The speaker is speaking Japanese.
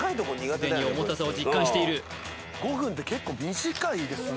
既に重たさを実感している５分って結構短いですね